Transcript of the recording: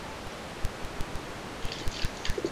آیا پخپله زده کړه تلپاتې او دوامداره پروسه ده؟